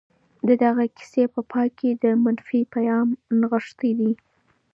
د دغي کیسې په پای کي د مننې پیغام نغښتی دی.